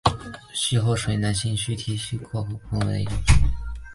须后水是男性在剃须之后于剃过的部位涂的一种液体。